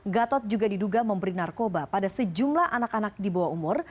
gatot juga diduga memberi narkoba pada sejumlah anak anak di bawah umur